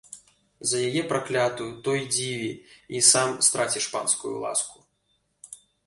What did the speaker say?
За яе, праклятую, то й дзіві, і сам страціш панскую ласку.